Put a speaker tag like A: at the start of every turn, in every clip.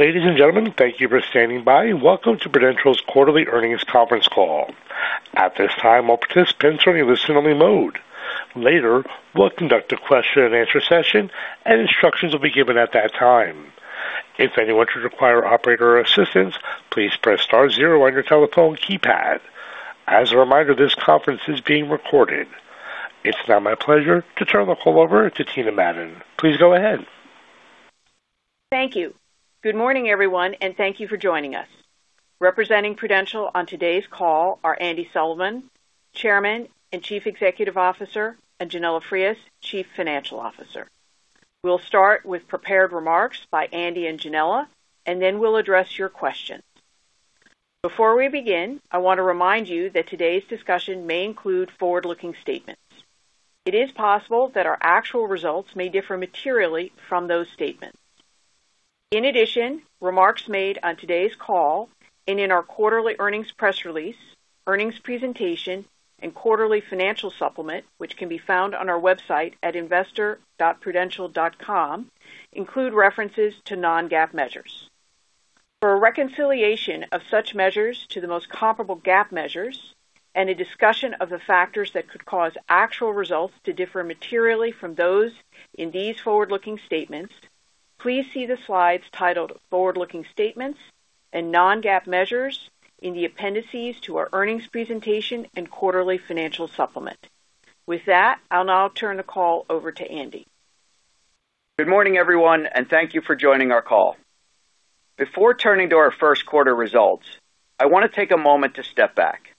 A: Ladies and gentlemen, thank you for standing by. Welcome to Prudential's Quarterly Earnings Conference Call. At this time, all participants are in listen only mode. Later, we'll conduct a question and answer session and instructions will be given at that time. If anyone should require operator assistance, please press star zero on your telephone keypad. As a reminder, this conference is being recorded. It's now my pleasure to turn the call over to Tina Madden. Please go ahead.
B: Thank you. Good morning, everyone, and thank you for joining us. Representing Prudential on today's call are Andy Sullivan, Chairman and Chief Executive Officer, and Yanela Frias, Chief Financial Officer. We'll start with prepared remarks by Andy and Yanela, and then we'll address your questions. Before we begin, I want to remind you that today's discussion may include forward-looking statements. It is possible that our actual results may differ materially from those statements. In addition, remarks made on today's call and in our quarterly earnings press release, earnings presentation, and quarterly financial supplement, which can be found on our website at investor.prudential.com, include references to non-GAAP measures. For a reconciliation of such measures to the most comparable GAAP measures and a discussion of the factors that could cause actual results to differ materially from those in these forward-looking statements, please see the slides titled Forward-Looking Statements and Non-GAAP Measures in the appendices to our earnings presentation and quarterly financial supplement. With that, I'll now turn the call over to Andy.
C: Good morning, everyone, and thank you for joining our call. Before turning to our first quarter results, I want to take a moment to step back.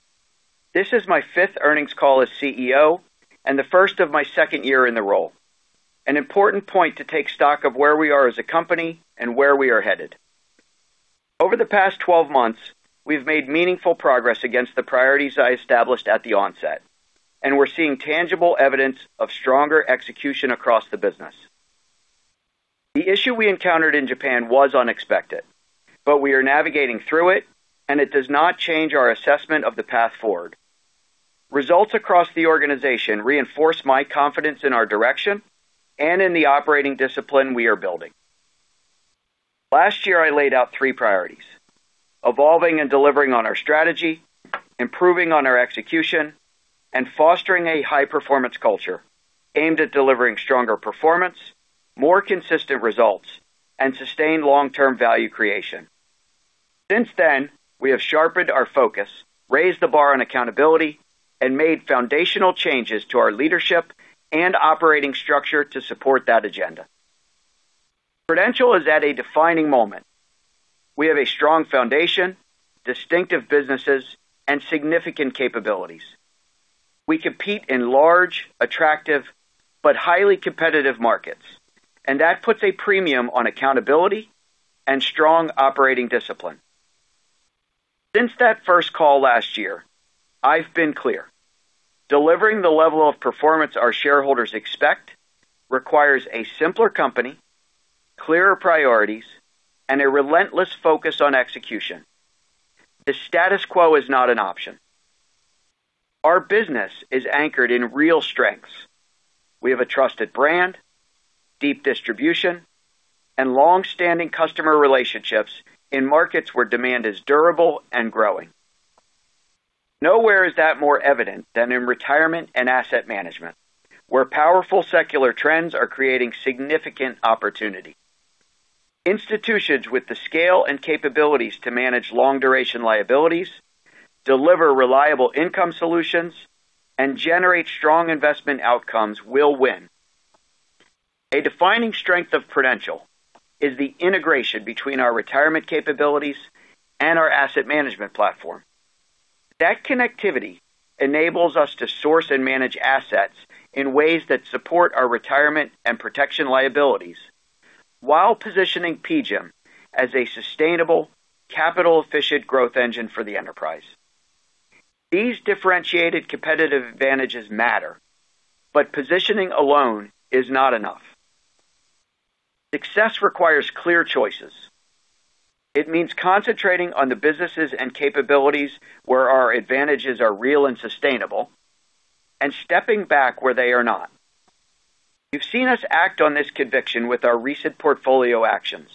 C: This is my fifth earnings call as CEO and the first of my second year in the role, an important point to take stock of where we are as a company and where we are headed. Over the past 12 months, we've made meaningful progress against the priorities I established at the onset, and we're seeing tangible evidence of stronger execution across the business. The issue we encountered in Japan was unexpected, but we are navigating through it, and it does not change our assessment of the path forward. Results across the organization reinforce my confidence in our direction and in the operating discipline we are building. Last year, I laid out three priorities: evolving and delivering on our strategy, improving on our execution, and fostering a high-performance culture aimed at delivering stronger performance, more consistent results, and sustained long-term value creation. Since then, we have sharpened our focus, raised the bar on accountability, and made foundational changes to our leadership and operating structure to support that agenda. Prudential is at a defining moment. We have a strong foundation, distinctive businesses, and significant capabilities. We compete in large, attractive, but highly competitive markets, and that puts a premium on accountability and strong operating discipline. Since that first call last year, I've been clear. Delivering the level of performance our shareholders expect requires a simpler company, clearer priorities, and a relentless focus on execution. The status quo is not an option. Our business is anchored in real strengths. We have a trusted brand, deep distribution, and long-standing customer relationships in markets where demand is durable and growing. Nowhere is that more evident than in retirement and asset management, where powerful secular trends are creating significant opportunity. Institutions with the scale and capabilities to manage long-duration liabilities, deliver reliable income solutions, and generate strong investment outcomes will win. A defining strength of Prudential is the integration between our retirement capabilities and our asset management platform. That connectivity enables us to source and manage assets in ways that support our retirement and protection liabilities while positioning PGIM as a sustainable, capital-efficient growth engine for the enterprise. These differentiated competitive advantages matter, but positioning alone is not enough. Success requires clear choices. It means concentrating on the businesses and capabilities where our advantages are real and sustainable and stepping back where they are not. You've seen us act on this conviction with our recent portfolio actions,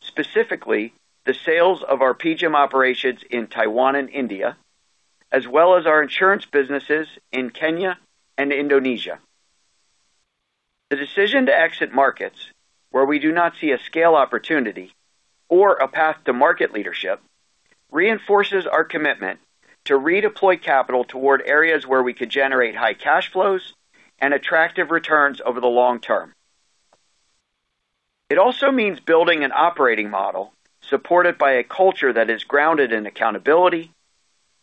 C: specifically the sales of our PGIM operations in Taiwan and India, as well as our insurance businesses in Kenya and Indonesia. The decision to exit markets where we do not see a scale opportunity or a path to market leadership reinforces our commitment to redeploy capital toward areas where we could generate high cash flows and attractive returns over the long term. It also means building an operating model supported by a culture that is grounded in accountability,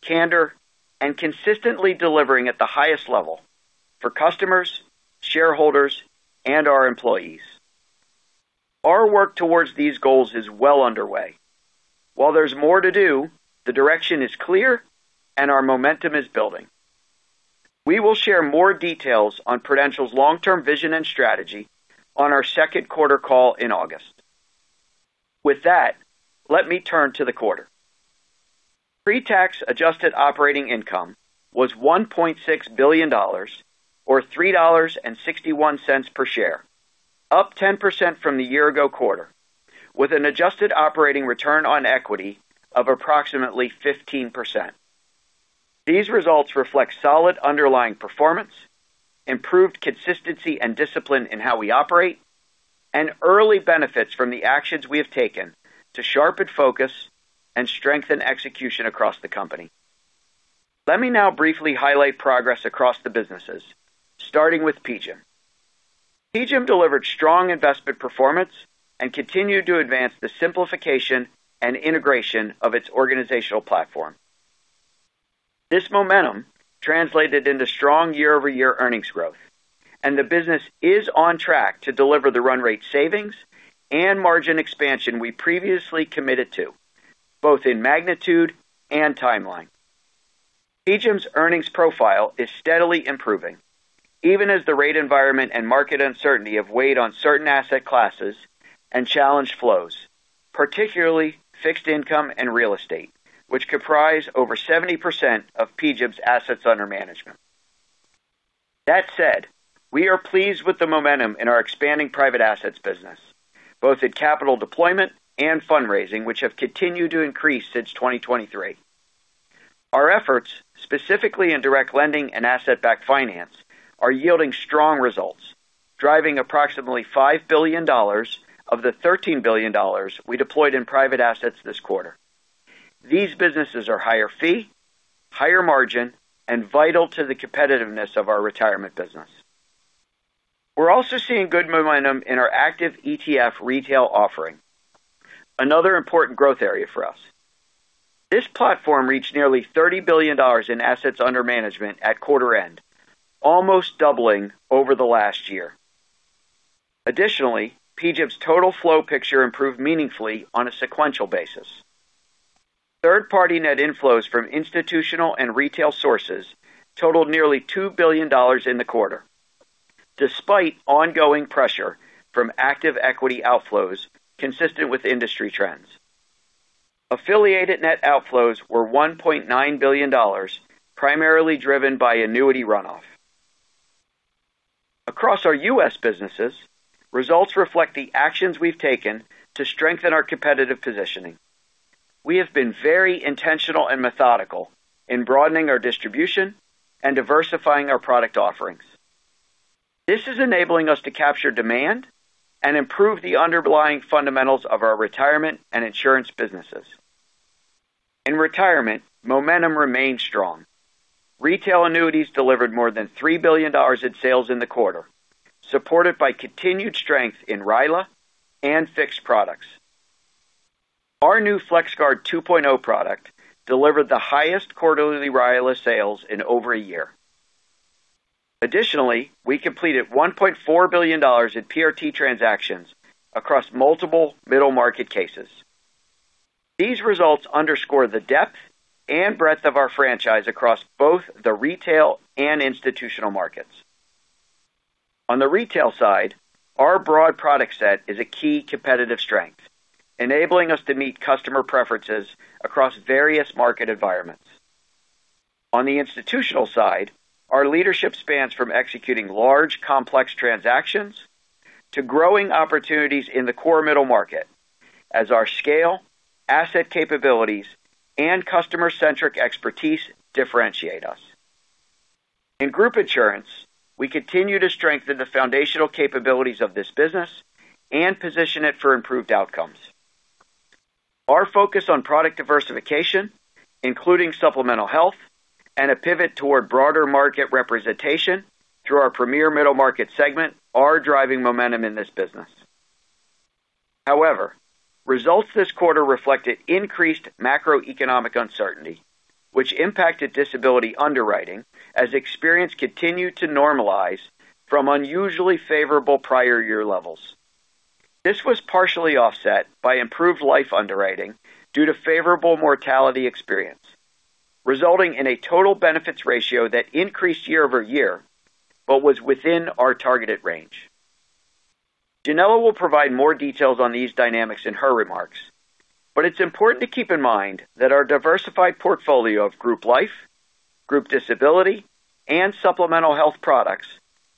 C: candor, and consistently delivering at the highest level for customers, shareholders, and our employees. Our work towards these goals is well underway. While there's more to do, the direction is clear and our momentum is building. We will share more details on Prudential's long-term vision and strategy on our second quarter call in August. With that let me turn to the quarter. Pre-tax adjusted operating income was $1.6 billion, or $3.61 per share, up 10% from the year-ago quarter, with an adjusted operating return on equity of approximately 15%. These results reflect solid underlying performance, improved consistency and discipline in how we operate, and early benefits from the actions we have taken to sharpen focus and strengthen execution across the company. Let me now briefly highlight progress across the businesses, starting with PGIM. PGIM delivered strong investment performance and continued to advance the simplification and integration of its organizational platform. This momentum translated into strong year-over-year earnings growth, the business is on track to deliver the run rate savings and margin expansion we previously committed to, both in magnitude and timeline. PGIM's earnings profile is steadily improving, even as the rate environment and market uncertainty have weighed on certain asset classes and challenged flows, particularly fixed income and real estate, which comprise over 70% of PGIM's assets under management. That said, we are pleased with the momentum in our expanding private assets business, both in capital deployment and fundraising, which have continued to increase since 2023. Our efforts, specifically in direct lending and asset-backed finance, are yielding strong results, driving approximately $5 billion of the $13 billion we deployed in private assets this quarter. These businesses are higher fee, higher margin, and vital to the competitiveness of our retirement business. We're also seeing good momentum in our active ETF retail offering, another important growth area for us. This platform reached nearly $30 billion in assets under management at quarter end, almost doubling over the last year. Additionally, PGIM's total flow picture improved meaningfully on a sequential basis. Third-party net inflows from institutional and retail sources totaled nearly $2 billion in the quarter, despite ongoing pressure from active equity outflows consistent with industry trends. Affiliated net outflows were $1.9 billion, primarily driven by annuity runoff. Across our U.S. businesses, results reflect the actions we've taken to strengthen our competitive positioning. We have been very intentional and methodical in broadening our distribution and diversifying our product offerings. This is enabling us to capture demand and improve the underlying fundamentals of our retirement and insurance businesses. In retirement, momentum remained strong. Retail annuities delivered more than $3 billion in sales in the quarter, supported by continued strength in RILA and fixed products. Our new FlexGuard 2.0 product delivered the highest quarterly RILA sales in over a year. Additionally, we completed $1.4 billion in PRT transactions across multiple middle market cases. These results underscore the depth and breadth of our franchise across both the retail and institutional markets. On the retail side, our broad product set is a key competitive strength, enabling us to meet customer preferences across various market environments. On the institutional side, our leadership spans from executing large, complex transactions to growing opportunities in the core middle market as our scale, asset capabilities, and customer-centric expertise differentiate us. In group insurance, we continue to strengthen the foundational capabilities of this business and position it for improved outcomes. Our focus on product diversification, including supplemental health and a pivot toward broader market representation through our premier middle market segment, are driving momentum in this business. However, results this quarter reflected increased macroeconomic uncertainty, which impacted disability underwriting as experience continued to normalize from unusually favorable prior year levels. This was partially offset by improved life underwriting due to favorable mortality experience, resulting in a total benefits ratio that increased year-over-year but was within our targeted range. Yanela will provide more details on these dynamics in her remarks, but it's important to keep in mind that our diversified portfolio of group life, group disability, and supplemental health products,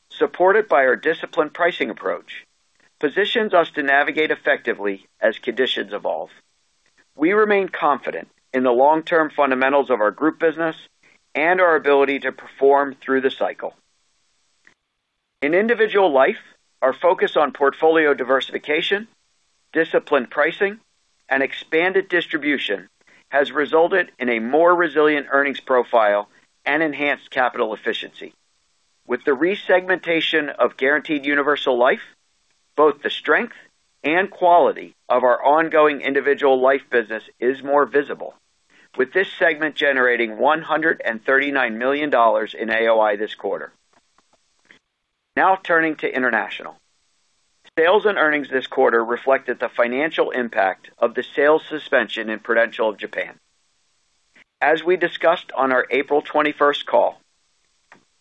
C: supported by our disciplined pricing approach, positions us to navigate effectively as conditions evolve. We remain confident in the long-term fundamentals of our group business and our ability to perform through the cycle. In individual life, our focus on portfolio diversification, disciplined pricing, and expanded distribution has resulted in a more resilient earnings profile and enhanced capital efficiency. With the resegmentation of guaranteed universal life, both the strength and quality of our ongoing individual life business is more visible, with this segment generating $139 million in AOI this quarter. Now turning to International. Sales and earnings this quarter reflected the financial impact of the sales suspension in Prudential of Japan. As we discussed on our April 21 call.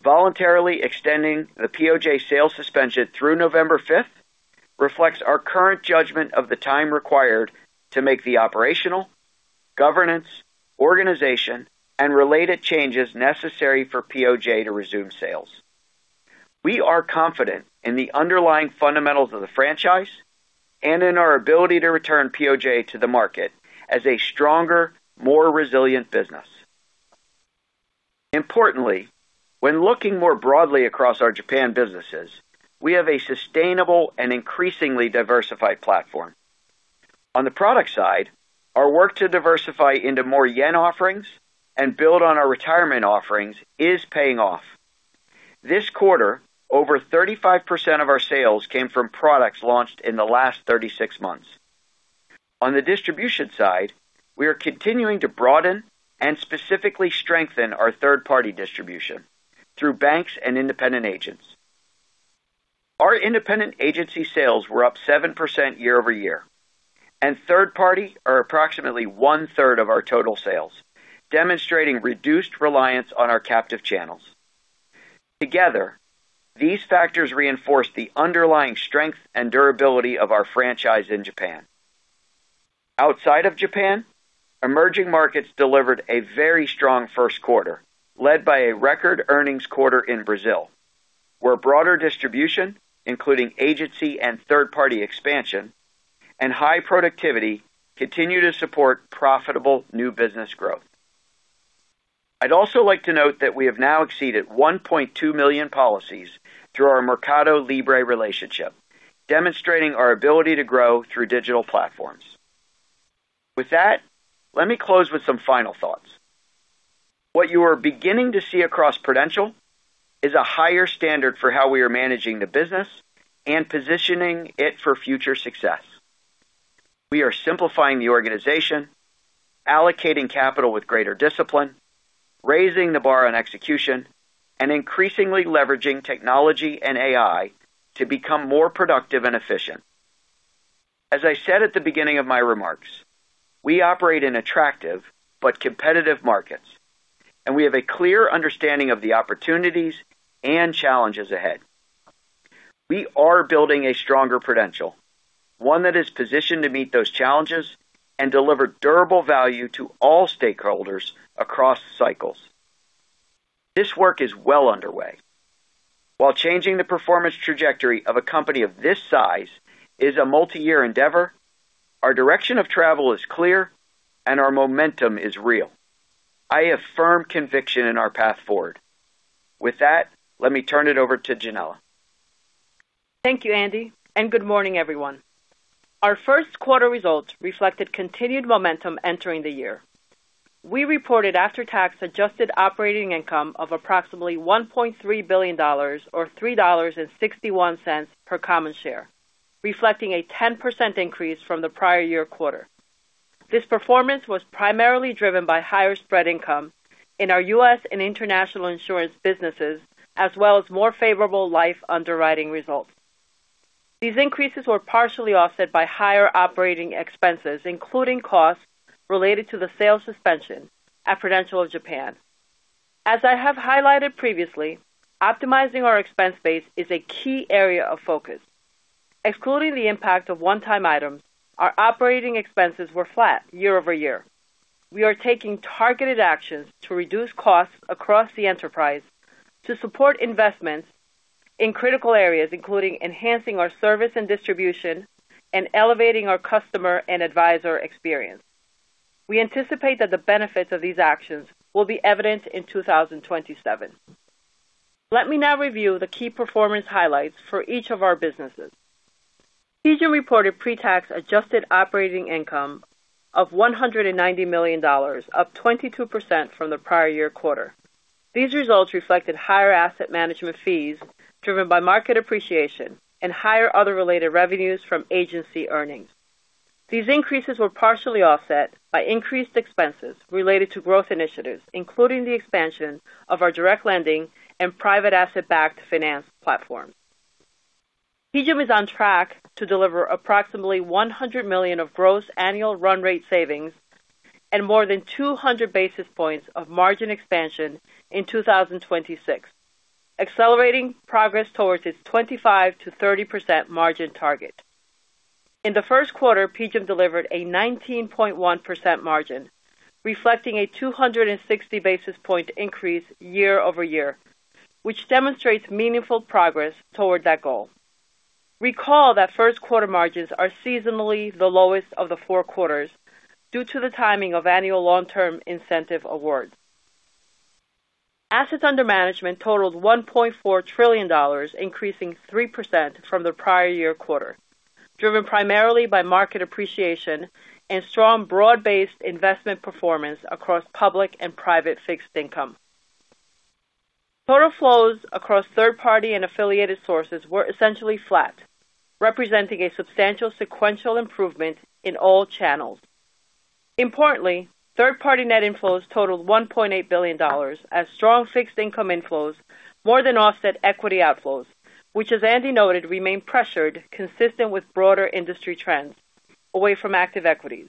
C: Voluntarily extending the POJ sales suspension through November 5 reflects our current judgment of the time required to make the operational, governance, organization, and related changes necessary for POJ to resume sales. We are confident in the underlying fundamentals of the franchise and in our ability to return POJ to the market as a stronger, more resilient business. Importantly, when looking more broadly across our Japan businesses, we have a sustainable and increasingly diversified platform. On the product side, our work to diversify into more yen offerings and build on our retirement offerings is paying off. This quarter, over 35% of our sales came from products launched in the last 36 months. On the distribution side, we are continuing to broaden and specifically strengthen our third-party distribution through banks and independent agents. Our independent agency sales were up 7% year-over-year, and third party are approximately one-third of our total sales, demonstrating reduced reliance on our captive channels. Together, these factors reinforce the underlying strength and durability of our franchise in Japan. Outside of Japan, emerging markets delivered a very strong first quarter, led by a record earnings quarter in Brazil, where broader distribution, including agency and third-party expansion and high productivity, continue to support profitable new business growth. I'd also like to note that we have now exceeded 1.2 million policies through our Mercado Libre relationship, demonstrating our ability to grow through digital platforms. With that, let me close with some final thoughts. What you are beginning to see across Prudential is a higher standard for how we are managing the business and positioning it for future success. We are simplifying the organization, allocating capital with greater discipline, raising the bar on execution, and increasingly leveraging technology and AI to become more productive and efficient. As I said at the beginning of my remarks, we operate in attractive but competitive markets, and we have a clear understanding of the opportunities and challenges ahead. We are building a stronger Prudential, one that is positioned to meet those challenges and deliver durable value to all stakeholders across cycles. This work is well underway. While changing the performance trajectory of a company of this size is a multi-year endeavor, our direction of travel is clear and our momentum is real. I have firm conviction in our path forward. With that, let me turn it over to Yanela.
D: Thank you, Andy. Good morning, everyone. Our first quarter results reflected continued momentum entering the year. We reported after-tax adjusted operating income of approximately $1.3 billion or $3.61 per common share, reflecting a 10% increase from the prior-year quarter. This performance was primarily driven by higher spread income in our U.S. and international insurance businesses, as well as more favorable life underwriting results. These increases were partially offset by higher operating expenses, including costs related to the sales suspension at Prudential of Japan. As I have highlighted previously, optimizing our expense base is a key area of focus. Excluding the impact of one-time items, our operating expenses were flat year-over-year. We are taking targeted actions to reduce costs across the enterprise to support investments in critical areas, including enhancing our service and distribution and elevating our customer and advisor experience. We anticipate that the benefits of these actions will be evident in 2027. Let me now review the key performance highlights for each of our businesses. PGIM reported pre-tax adjusted operating income of $190 million, up 22% from the prior year quarter. These results reflected higher asset management fees driven by market appreciation and higher other related revenues from agency earnings. These increases were partially offset by increased expenses related to growth initiatives, including the expansion of our direct lending and private asset-backed finance platform. PGIM is on track to deliver approximately $100 million of gross annual run rate savings and more than 200 basis points of margin expansion in 2026, accelerating progress towards its 25%-30% margin target. In the first quarter, PGIM delivered a 19.1% margin, reflecting a 260 basis point increase year-over-year, which demonstrates meaningful progress toward that goal. Recall that first quarter margins are seasonally the lowest of the four quarters due to the timing of annual long-term incentive awards. Assets under management totaled $1.4 trillion, increasing 3% from the prior year quarter, driven primarily by market appreciation and strong broad-based investment performance across public and private fixed income. Total flows across third-party and affiliated sources were essentially flat, representing a substantial sequential improvement in all channels. Importantly, third-party net inflows totaled $1.8 billion as strong fixed income inflows more than offset equity outflows, which, as Andy noted, remain pressured consistent with broader industry trends away from active equities.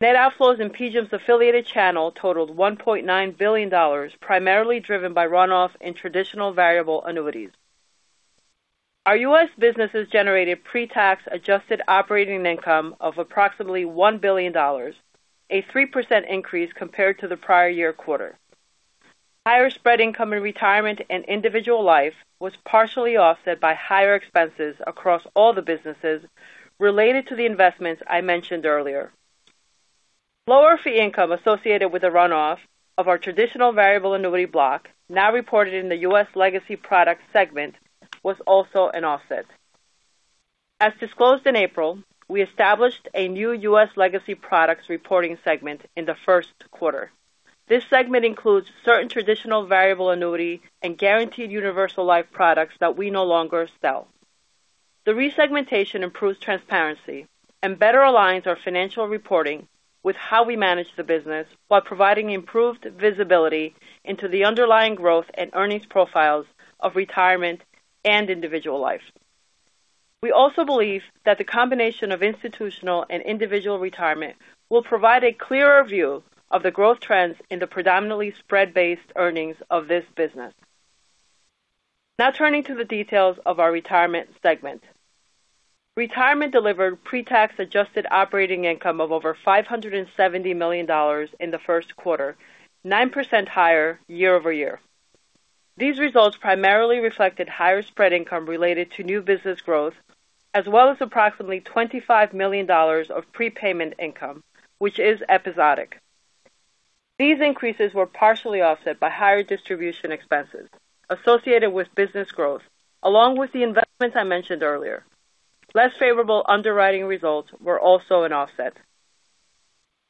D: Net outflows in PGIM's affiliated channel totaled $1.9 billion, primarily driven by runoff in traditional variable annuities. Our U.S. businesses generated pre-tax adjusted operating income of approximately $1 billion, a 3% increase compared to the prior year quarter. Higher spread income in retirement and individual life was partially offset by higher expenses across all the businesses related to the investments I mentioned earlier. Lower fee income associated with the runoff of our traditional variable annuity block, now reported in the U.S. Legacy Product segment, was also an offset. As disclosed in April, we established a new U.S. Legacy Products reporting segment in the first quarter. This segment includes certain traditional variable annuity and guaranteed universal life products that we no longer sell. The resegmentation improves transparency and better aligns our financial reporting with how we manage the business while providing improved visibility into the underlying growth and earnings profiles of Retirement and Individual Life. We also believe that the combination of Institutional and Individual Retirement will provide a clearer view of the growth trends in the predominantly spread-based earnings of this business. Now turning to the details of our Retirement segment. Retirement delivered pre-tax adjusted operating income of over $570 million in the first quarter, 9% higher year-over-year. These results primarily reflected higher spread income related to new business growth, as well as approximately $25 million of prepayment income, which is episodic. These increases were partially offset by higher distribution expenses associated with business growth, along with the investments I mentioned earlier. Less favorable underwriting results were also an offset.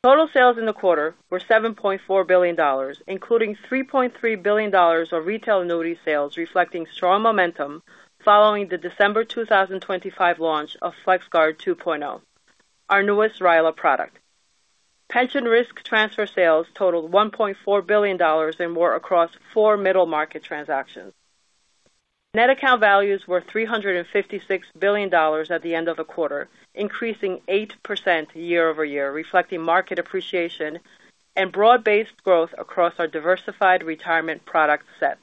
D: Total sales in the quarter were $7.4 billion, including $3.3 billion of retail annuity sales, reflecting strong momentum following the December 2025 launch of FlexGuard 2.0, our newest RILA product. Pension risk transfer sales totaled $1.4 billion and were across 4 middle market transactions. Net account values were $356 billion at the end of the quarter, increasing 8% year-over-year, reflecting market appreciation and broad-based growth across our diversified retirement product set.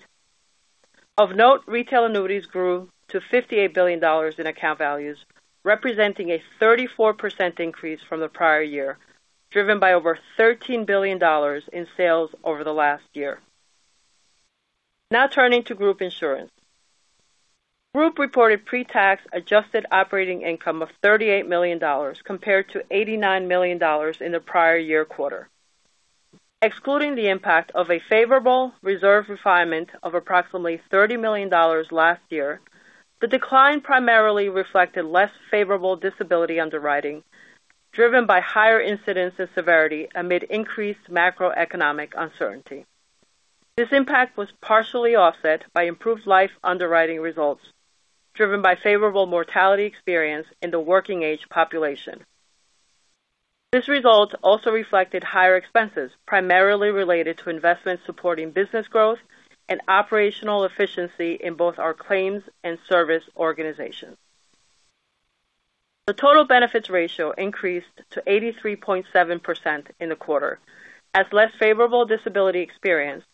D: Of note, retail annuities grew to $58 billion in account values, representing a 34% increase from the prior year, driven by over $13 billion in sales over the last year. Turning to group insurance. Group reported pre-tax adjusted operating income of $38 million compared to $89 million in the prior year quarter. Excluding the impact of a favorable reserve refinement of approximately $30 million last year, the decline primarily reflected less favorable disability underwriting, driven by higher incidence and severity amid increased macroeconomic uncertainty. This impact was partially offset by improved life underwriting results driven by favorable mortality experience in the working age population. These results also reflected higher expenses, primarily related to investments supporting business growth and operational efficiency in both our claims and service organizations. The total benefits ratio increased to 83.7% in the quarter as less favorable disability experience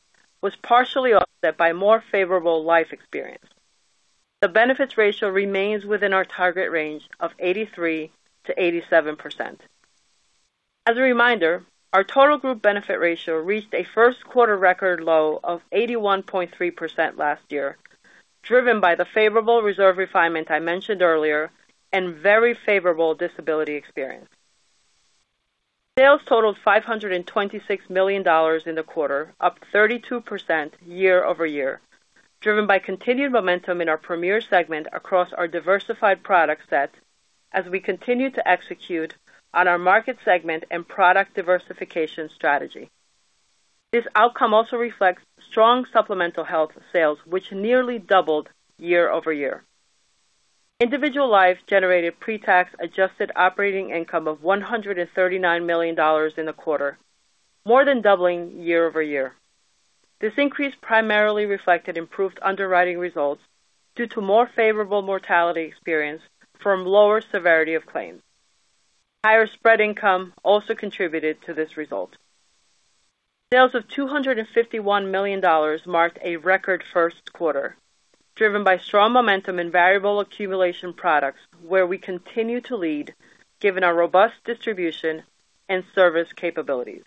D: was partially offset by more favorable life experience. The benefits ratio remains within our target range of 83%-87%. As a reminder, our total group benefit ratio reached a first quarter record low of 81.3% last year, driven by the favorable reserve refinement I mentioned earlier and very favorable disability experience. Sales totaled $526 million in the quarter, up 32% year-over-year, driven by continued momentum in our premier segment across our diversified product set as we continue to execute on our market segment and product diversification strategy. This outcome also reflects strong supplemental health sales, which nearly doubled year-over-year. Individual Lives generated pre-tax adjusted operating income of $139 million in the quarter, more than doubling year-over-year. This increase primarily reflected improved underwriting results due to more favorable mortality experience from lower severity of claims. Higher spread income also contributed to this result. Sales of $251 million marked a record first quarter, driven by strong momentum in variable accumulation products where we continue to lead given our robust distribution and service capabilities.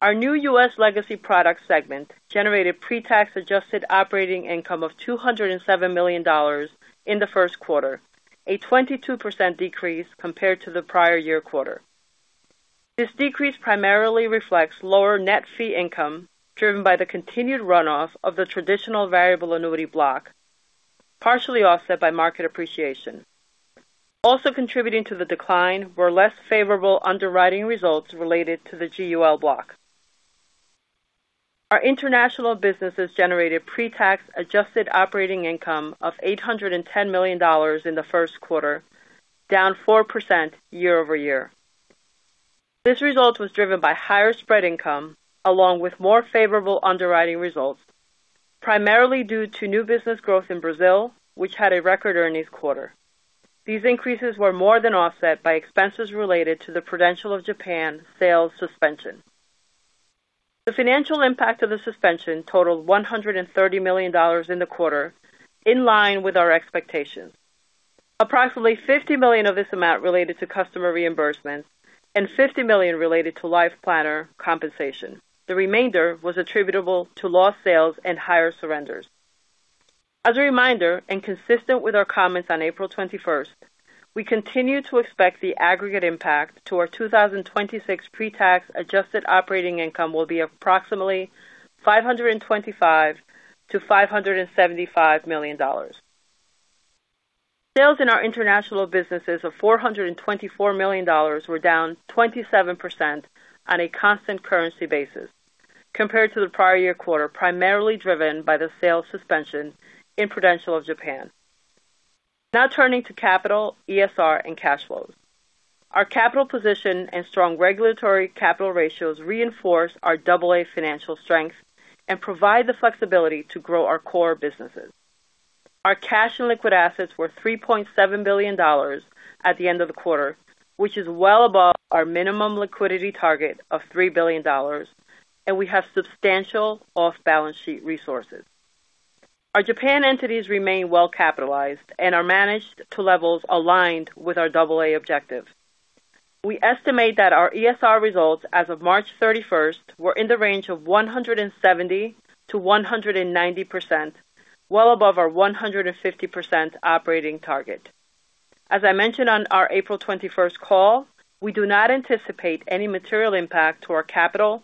D: Our new U.S. Legacy Product segment generated pre-tax adjusted operating income of $207 million in the first quarter, a 22% decrease compared to the prior year quarter. This decrease primarily reflects lower net fee income driven by the continued runoff of the traditional variable annuity block, partially offset by market appreciation. Also contributing to the decline were less favorable underwriting results related to the GUL block. Our international businesses generated pre-tax adjusted operating income of $810 million in the first quarter, down 4% year-over-year. This result was driven by higher spread income along with more favorable underwriting results Primarily due to new business growth in Brazil, which had a record earnings quarter. These increases were more than offset by expenses related to the Prudential of Japan sales suspension. The financial impact of the suspension totaled $130 million in the quarter, in line with our expectations. Approximately $50 million of this amount related to customer reimbursements and $50 million related to Life Planner compensation. The remainder was attributable to lost sales and higher surrenders. As a reminder, and consistent with our comments on April 21, we continue to expect the aggregate impact to our 2026 pretax adjusted operating income will be approximately $525 million-$575 million. Sales in our international businesses of $424 million were down 27% on a constant currency basis compared to the prior year quarter, primarily driven by the sales suspension in Prudential of Japan. Turning to capital, ESR, and cash flows. Our capital position and strong regulatory capital ratios reinforce our AA financial strength and provide the flexibility to grow our core businesses. Our cash and liquid assets were $3.7 billion at the end of the quarter, which is well above our minimum liquidity target of $3 billion, and we have substantial off-balance sheet resources. Our Japan entities remain well capitalized and are managed to levels aligned with our AA objective. We estimate that our ESR results as of March 31st were in the range of 170%-190%, well above our 150% operating target. As I mentioned on our April 21st call, we do not anticipate any material impact to our capital,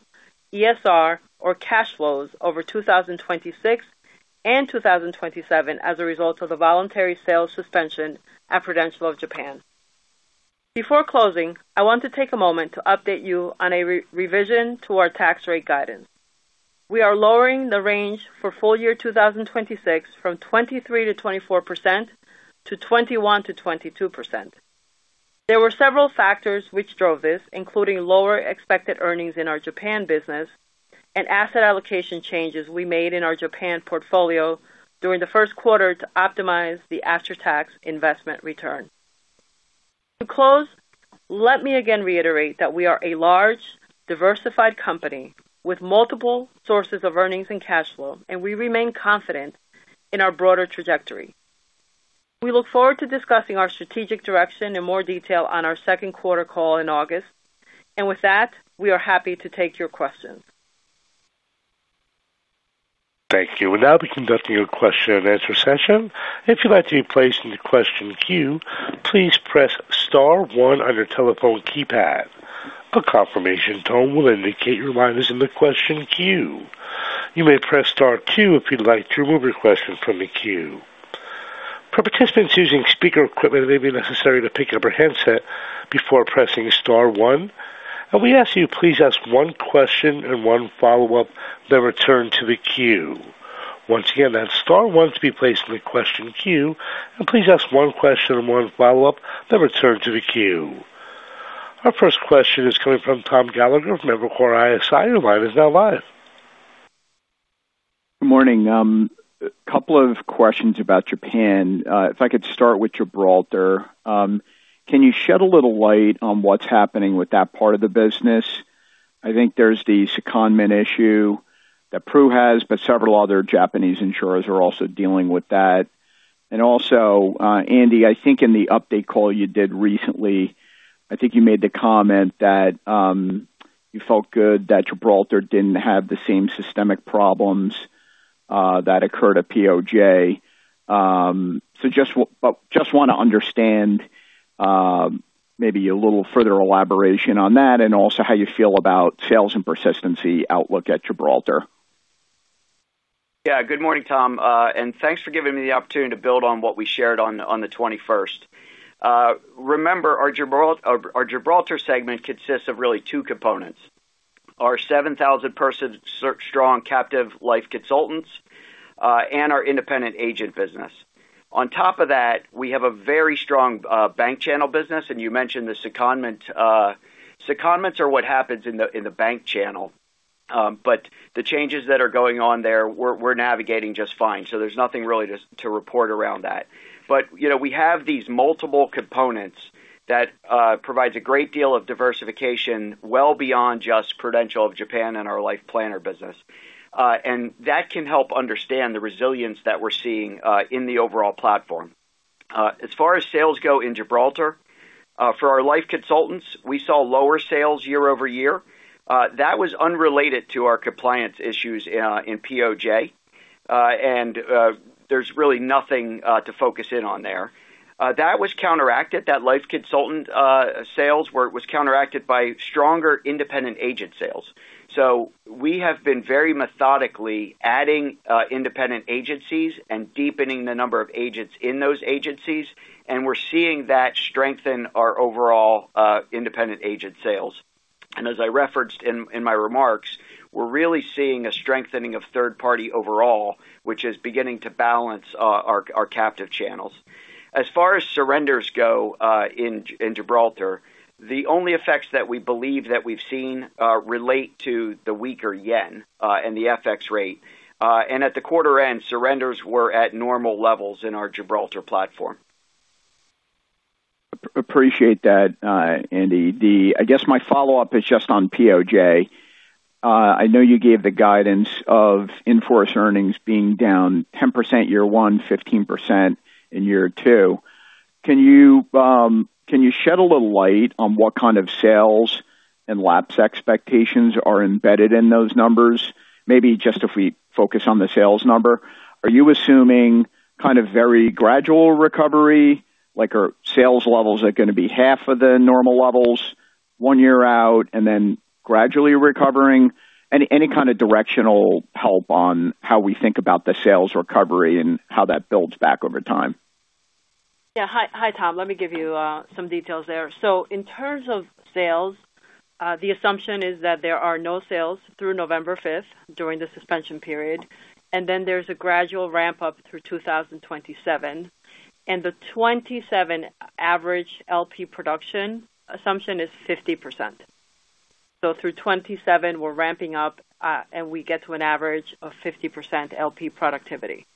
D: ESR or cash flows over 2026 and 2027 as a result of the voluntary sales suspension at Prudential of Japan. Before closing, I want to take a moment to update you on a re-revision to our tax rate guidance. We are lowering the range for full year 2026 from 23%-24% to 21%-22%. There were several factors which drove this, including lower expected earnings in our Japan business and asset allocation changes we made in our Japan portfolio during the first quarter to optimize the after-tax investment return. To close, let me again reiterate that we are a large, diversified company with multiple sources of earnings and cash flow, and we remain confident in our broader trajectory. We look forward to discussing our strategic direction in more detail on our second quarter call in August. With that, we are happy to take your questions.
A: Thank you. We'll now be conducting a question and answer session. If you'd like to be placed in the question queue, please press star one on your telephone keypad. A confirmation tone will indicate your line is in the question queue. You may press star two if you'd like to remove your question from the queue. For participants using speaker equipment, it may be necessary to pick up your handset before pressing star one. We ask you please ask one question and one follow-up, then return to the queue. Once again, that's star one to be placed in the question queue. Please ask one question and one follow-up, then return to the queue. Our first question is coming from Tom Gallagher of Evercore ISI. Your line is now live.
E: Good morning. A couple of questions about Japan. If I could start with Gibraltar. Can you shed a little light on what's happening with that part of the business? I think there's the secondment issue that Pru has, but several other Japanese insurers are also dealing with that. Also, Andy, I think in the update call you did recently, I think you made the comment that you felt good that Gibraltar didn't have the same systemic problems that occurred at POJ. Just want to understand maybe a little further elaboration on that and also how you feel about sales and persistency outlook at Gibraltar.
C: Yeah. Good morning, Tom. Thanks for giving me the opportunity to build on what we shared on the 21st. Remember, our Gibraltar segment consists of really two components, our 7,000 person strong captive Life Consultants, and our independent agent business. On top of that, we have a very strong bank channel business, and you mentioned the secondment. Secondments are what happens in the bank channel. The changes that are going on there, we're navigating just fine. There's nothing really to report around that. You know, we have these multiple components that provides a great deal of diversification well beyond just Prudential of Japan and our life planner business. That can help understand the resilience that we're seeing in the overall platform. As far as sales go in Gibraltar, for our Life Consultants, we saw lower sales year-over-year. That was unrelated to our compliance issues in POJ. There's really nothing to focus in on there. That was counteracted. That life consultant sales were counteracted by stronger independent agent sales. We have been very methodically adding independent agencies and deepening the number of agents in those agencies, and we're seeing that strengthen our overall independent agent sales. As I referenced in my remarks, we're really seeing a strengthening of third party overall, which is beginning to balance our captive channels. As far as surrenders go in Gibraltar, the only effects that we believe that we've seen relate to the weaker yen and the FX rate. At the quarter end, surrenders were at normal levels in our Gibraltar platform.
E: Appreciate that, Andy. I guess my follow-up is just on POJ. I know you gave the guidance of in-force earnings being down 10% year one, 15% in year two. Can you shed a little light on what kind of sales and lapse expectations are embedded in those numbers? Maybe just if we focus on the sales number, are you assuming kind of very gradual recovery, like are sales levels are gonna be half of the normal levels one year out and then gradually recovering? Any kind of directional help on how we think about the sales recovery and how that builds back over time?
D: Hi, hi, Tom. Let me give you some details there. In terms of sales, the assumption is that there are no sales through November 5 during the suspension period, and then there's a gradual ramp up through 2027. The 27 average LP production assumption is 50%. Through 27, we're ramping up, and we get to an average of 50% LP productivity.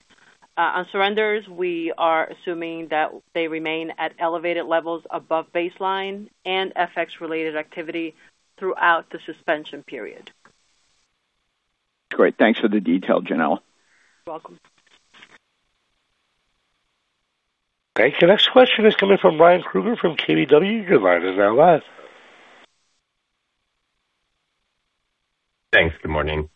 D: On surrenders, we are assuming that they remain at elevated levels above baseline and FX-related activity throughout the suspension period.
E: Great. Thanks for the detail, Yanela.
D: You're welcome.
A: Okay, the next question is coming from Ryan Krueger from KBW.
F: Thanks. Good morning.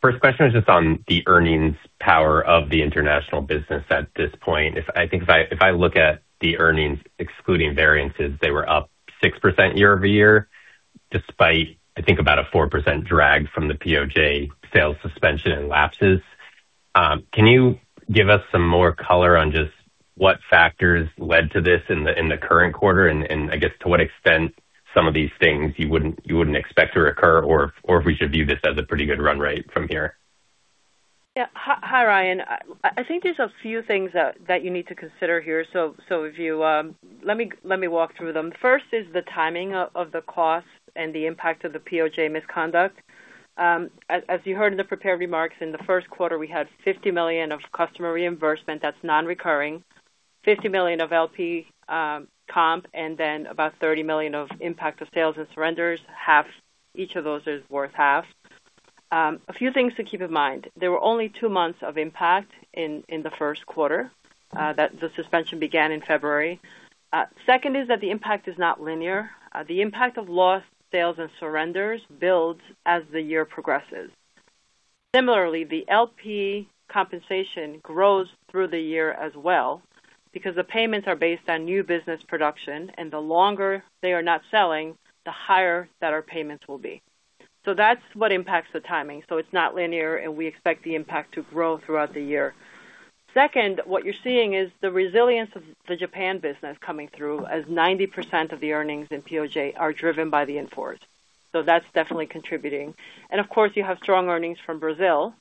F: First question is just on the earnings power of the international business at this point. I think if I look at the earnings excluding variances, they were up 6% year-over-year, despite I think about a 4% drag from the POJ sales suspension and lapses. Can you give us some more color on just what factors led to this in the current quarter? I guess to what extent some of these things you wouldn't expect to recur or if we should view this as a pretty good run rate from here.
D: Yeah. Hi, Ryan. I think there's a few things that you need to consider here. If you, let me walk through them. First is the timing of the cost and the impact of the POJ misconduct. As you heard in the prepared remarks, in the first quarter we had $50 million of customer reimbursement that's non-recurring, $50 million of LP comp, and then about $30 million of impact of sales and surrenders. Each of those is worth half. A few things to keep in mind. There were only two months of impact in the first quarter that the suspension began in February. Second is that the impact is not linear. The impact of lost sales and surrenders builds as the year progresses. Similarly, the LP compensation grows through the year as well because the payments are based on new business production, and the longer they are not selling, the higher that our payments will be. That's what impacts the timing. It's not linear, and we expect the impact to grow throughout the year. Second, what you're seeing is the resilience of the Japan business coming through as 90% of the earnings in POJ are driven by the in-force. That's definitely contributing. Of course, you have strong earnings from Brazil.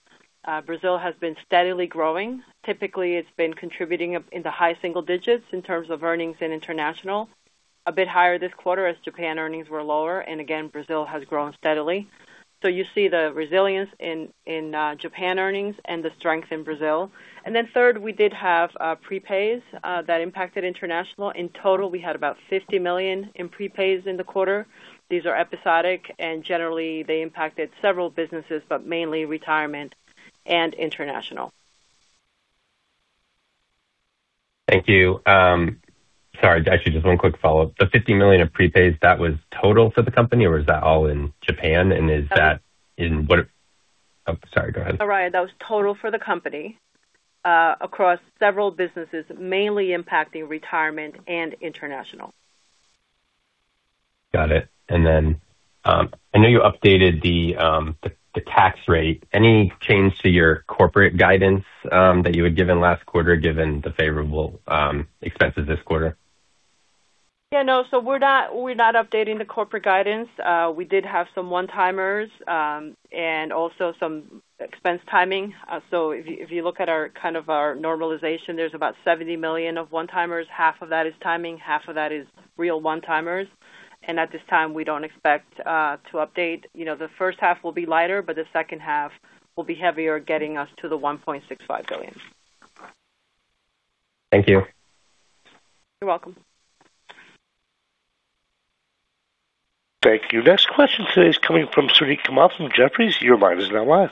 D: Brazil has been steadily growing. Typically, it's been contributing up in the high single digits in terms of earnings in international. A bit higher this quarter as Japan earnings were lower, and again, Brazil has grown steadily. You see the resilience in Japan earnings and the strength in Brazil. Third, we did have prepays that impacted international. In total, we had about $50 million in prepays in the quarter. These are episodic, and generally, they impacted several businesses, but mainly retirement and international.
F: Thank you. Sorry, actually, just one quick follow-up. The $50 million of prepays, that was total for the company, or was that all in Japan? Oh, sorry, go ahead.
D: No, Ryan, that was total for the company, across several businesses, mainly impacting retirement and international.
F: Got it. I know you updated the tax rate. Any change to your corporate guidance that you had given last quarter, given the favorable expenses this quarter?
D: Yeah, no. we're not updating the corporate guidance. we did have some one-timers and also some expense timing. if you look at our kind of our normalization, there's about $70 million of one-timers. Half of that is timing, half of that is real one-timers. At this time, we don't expect to update. You know, the first half will be lighter, but the second half will be heavier, getting us to the $1.65 billion.
F: Thank you.
D: You're welcome.
A: Thank you. Next question today is coming from Suneet Kamath from Jefferies. Your line is now live.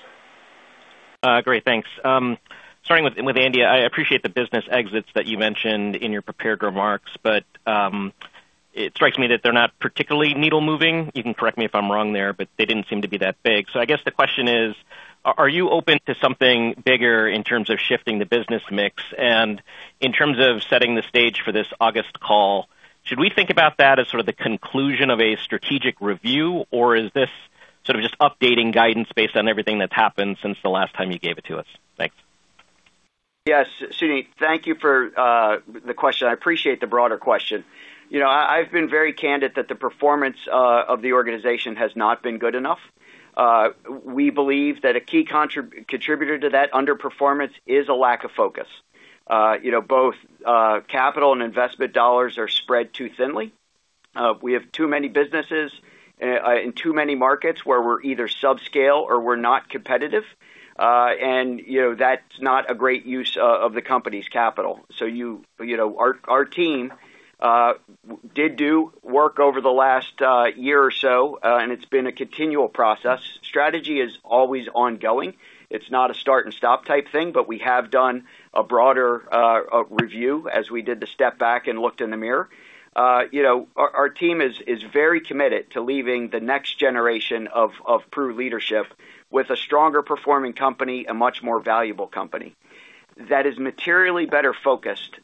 G: Great. Thanks. Starting with Andy, I appreciate the business exits that you mentioned in your prepared remarks, it strikes me that they're not particularly needle moving. You can correct me if I'm wrong there, they didn't seem to be that big. I guess the question is, are you open to something bigger in terms of shifting the business mix? In terms of setting the stage for this August call, should we think about that as sort of the conclusion of a strategic review, or is this sort of just updating guidance based on everything that's happened since the last time you gave it to us? Thanks.
C: Yes, Suneet, thank you for the question. I appreciate the broader question. You know, I've been very candid that the performance of the organization has not been good enough. We believe that a key contributor to that underperformance is a lack of focus. You know, both capital and investment dollars are spread too thinly. We have too many businesses in too many markets where we're either subscale or we're not competitive. You know, that's not a great use of the company's capital. You know, our team did do work over the last year or so, it's been a continual process. Strategy is always ongoing. It's not a start-and-stop type thing, we have done a broader review as we did the step back and looked in the mirror. You know, our team is very committed to leaving the next generation of Pru leadership with a stronger performing company, a much more valuable company that is materially better focused,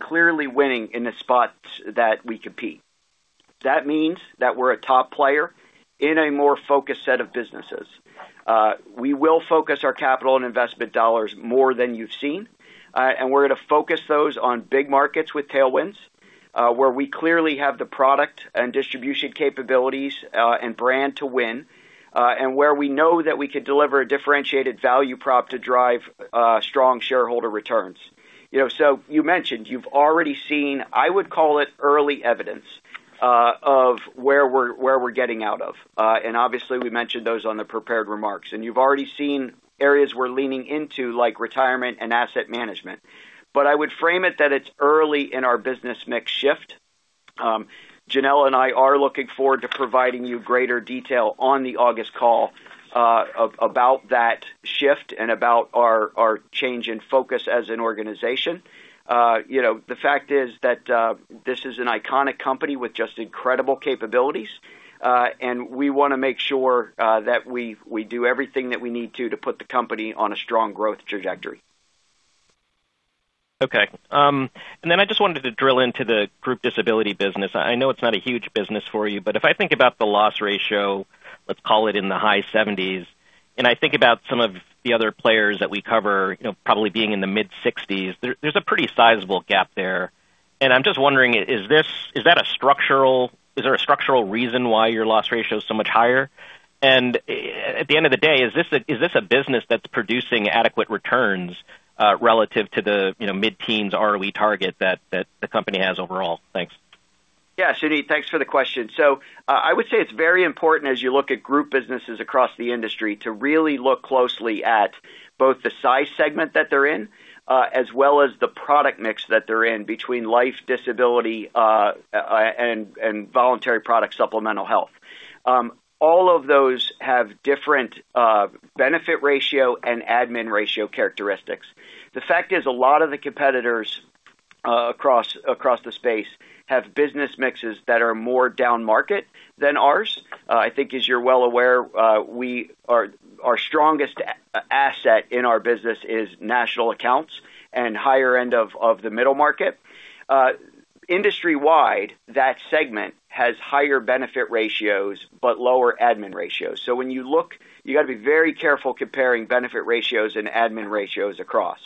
C: clearly winning in the spots that we compete. That means that we're a top player in a more focused set of businesses. We will focus our capital and investment dollars more than you've seen, and we're going to focus those on big markets with tailwinds, where we clearly have the product and distribution capabilities, and brand to win, and where we know that we could deliver a differentiated value prop to drive strong shareholder returns. You know, you mentioned you've already seen, I would call it, early evidence of where we're getting out of. Obviously we mentioned those on the prepared remarks. You've already seen areas we're leaning into, like retirement and asset management. I would frame it that it's early in our business mix shift. Yanela Frias and I are looking forward to providing you greater detail on the August call, about that shift and about our change in focus as an organization. You know, the fact is that this is an iconic company with just incredible capabilities, and we want to make sure that we do everything that we need to put the company on a strong growth trajectory.
G: I just wanted to drill into the group disability business. I know it's not a huge business for you, but if I think about the loss ratio, let's call it in the high 70s, and I think about some of the other players that we cover, you know, probably being in the mid-60s, there's a pretty sizable gap there. I'm just wondering, is there a structural reason why your loss ratio is so much higher? At the end of the day, is this a business that's producing adequate returns, relative to the, you know, mid-teens ROE target that the company has overall? Thanks.
C: Suneet, thanks for the question. I would say it's very important as you look at group businesses across the industry to really look closely at both the size segment that they're in, as well as the product mix that they're in between life, disability, and voluntary product supplemental health. All of those have different benefit ratio and admin ratio characteristics. The fact is, a lot of the competitors across the space have business mixes that are more downmarket than ours. I think as you're well aware, our strongest asset in our business is national accounts and higher end of the middle market. Industry-wide, that segment has higher benefit ratios but lower admin ratios. When you look, you got to be very careful comparing benefit ratios and admin ratios across.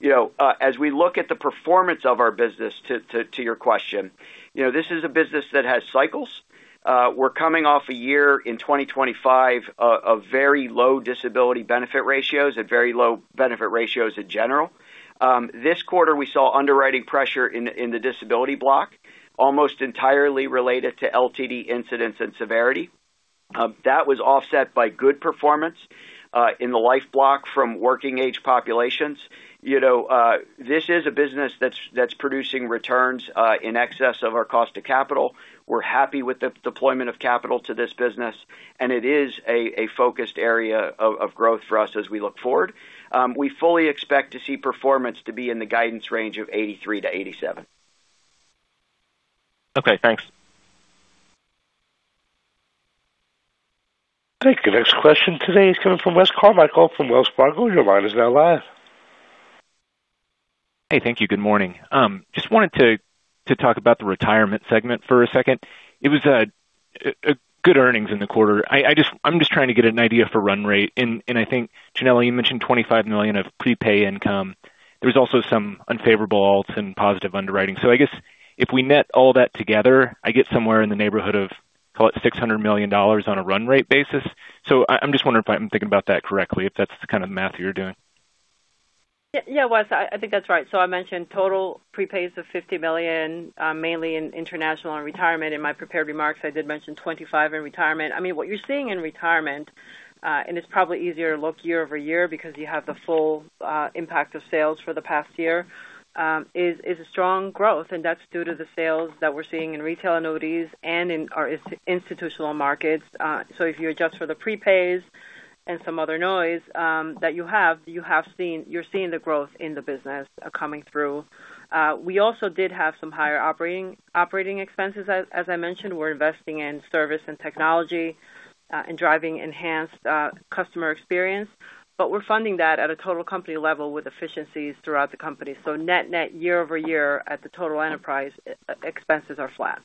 C: You know, as we look at the performance of our business, to your question, you know, this is a business that has cycles. We're coming off a year in 2025 of very low disability benefit ratios and very low benefit ratios in general. This quarter, we saw underwriting pressure in the disability block almost entirely related to LTD incidence and severity. That was offset by good performance in the life block from working age populations. You know, this is a business that's producing returns in excess of our cost of capital. We're happy with the deployment of capital to this business, and it is a focused area of growth for us as we look forward. We fully expect to see performance to be in the guidance range of 83-87.
G: Okay, thanks.
A: Thank you. Next question today is coming from Wes Carmichael from Wells Fargo. Your line is now live.
H: Hey, thank you. Good morning. Just wanted to talk about the retirement segment for a second. It was a good earnings in the quarter. I'm just trying to get an idea for run rate. I think, Yanela, you mentioned $25 million of prepay income. There was also some unfavorable and positive underwriting. I guess if we net all that together, I get somewhere in the neighborhood of, call it $600 million on a run rate basis. I'm just wondering if I'm thinking about that correctly, if that's the kind of math you're doing.
D: Yeah, yeah, Wes, I think that's right. I mentioned total prepays of $50 million, mainly in international and retirement. In my prepared remarks, I did mention 25 in retirement. I mean, what you're seeing in retirement, and it's probably easier to look year-over-year because you have the full impact of sales for the past year, is a strong growth, and that's due to the sales that we're seeing in retail annuities and in our institutional markets. If you adjust for the prepays and some other noise that you have, you're seeing the growth in the business coming through. We also did have some higher operating expenses. As I mentioned, we're investing in service and technology, and driving enhanced customer experience. We're funding that at a total company level with efficiencies throughout the company. Net, net year-over-year at the total enterprise, e-expenses are flat.